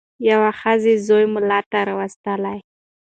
یوې ښځي زوی مُلا ته راوستلی